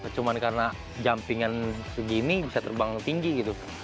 cuma karena jumpingan segini bisa terbang tinggi gitu